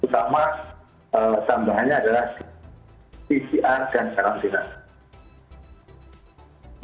terutama tambahannya adalah ccr dan karantina